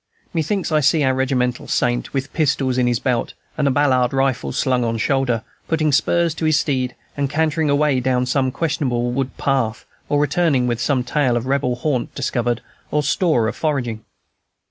Methinks I see our regimental saint, with pistols in belt and a Ballard rifle slung on shoulder, putting spurs to his steed, and cantering away down some questionable wood path, or returning with some tale of Rebel haunt discovered, or store of foraging.